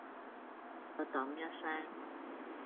靚到丼一聲